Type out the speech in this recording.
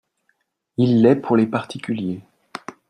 Il l’est pour les particuliers